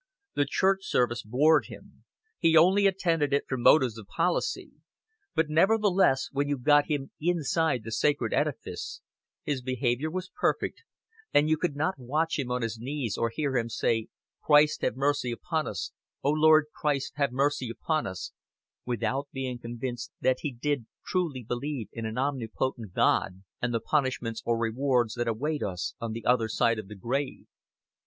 The church service bored him; he only attended it from motives of policy; but, nevertheless, when you got him inside the sacred edifice, his behavior was perfect, and you could not watch him on his knees or hear him say "Christ have mercy upon us, O Lord Christ have mercy on us," without being convinced that he did truly believe in an omnipotent God and the punishments or rewards that await us on the other side of the grave.